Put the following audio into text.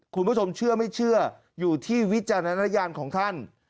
คุณผู้ชมเชื่อไม่เชื่ออยู่ที่วิจารณญาณของท่าน